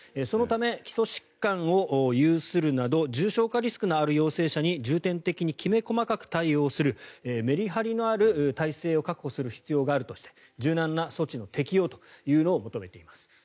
そのため、基礎疾患を有するなど重症化リスクのある高齢者に重点的にきめ細かく対応するメリハリのある体制を確保する必要があるとして柔軟な措置の適用を求めています。